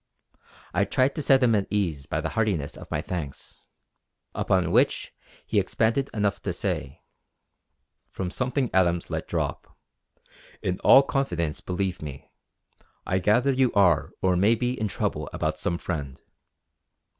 I tried to set him at ease by the heartiness of my thanks. Upon which he expanded enough to say: "From something Adams let drop in all confidence believe me I gather you are or may be in trouble about some friend.